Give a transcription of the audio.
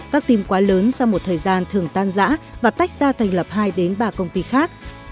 các team quá lớn sau một thời gian thường tan giã và tách ra thành lập hai đến ba công ty khác